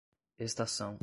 estação